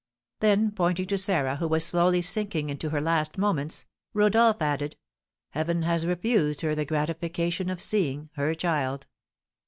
Then pointing to Sarah, who was slowly sinking into her last moments, Rodolph added, "Heaven has refused her the gratification of seeing her child!"